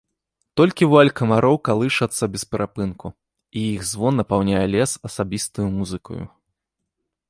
Толькі вуаль камароў калышацца без перапынку, і іх звон напаўняе лес асабістаю музыкаю.